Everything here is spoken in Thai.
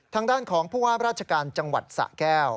ทางด้านของผู้ว่าราชการจังหวัดสะแก้ว